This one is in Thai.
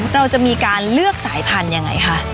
เราจะมีการเลือกสายพันธุ์ยังไงคะ